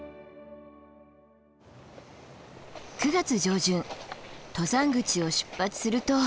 ９月上旬登山口を出発すると。